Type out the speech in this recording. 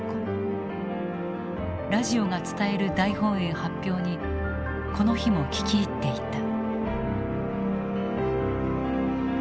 ラジオが伝える大本営発表にこの日も聞き入っていた。